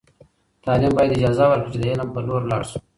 تعلیم باید اجازه ورکړي چې د علم په لور لاړ سو.